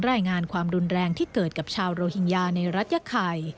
รายงานความรุนแรงที่เกิดกับชาวโรฮิงญาในรัฐยะไข่